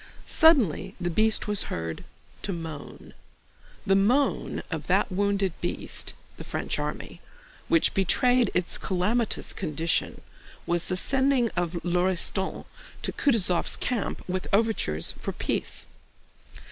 Suddenly the beast was heard to moan. The moan of that wounded beast (the French army) which betrayed its calamitous condition was the sending of Lauriston to Kutúzov's camp with overtures for peace.